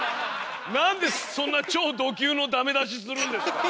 なんでそんな超ド級のダメ出しするんですか。